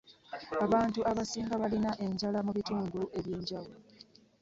Abantu abasinga balina enjala mu bintu eby'enjawulo.